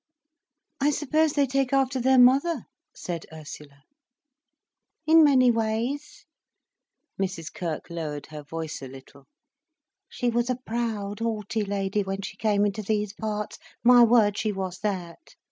"I suppose they take after their mother?" said Ursula. "In many ways." Mrs Krik lowered her voice a little. "She was a proud haughty lady when she came into these parts—my word, she was that!